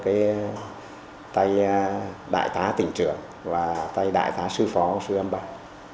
cái tay đại tá tỉnh trường và tay đại tá sư phó sư âm bảo